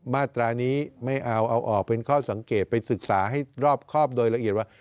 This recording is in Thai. มาตรานี้ไม่เอาเอาออกเป็นข้อสังเกตไปศึกษาให้รอบครอบโดยละเอียดว่า